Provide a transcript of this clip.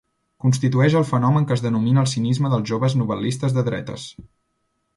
Constitueix el fenomen que es denomina el cinisme dels joves novel·listes de dretes.